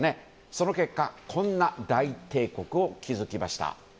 その結果こんな大帝国を築きました。